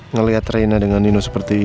ngeliat rena dengan nino seperti ini